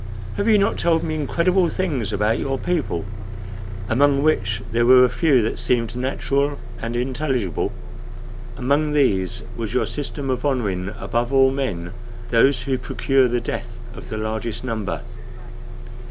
Have you not told me incredible things about your people, among which there were a few that seemed natural and intelligible? Among these was your system of honoring above all men those who procure the death of the largest number.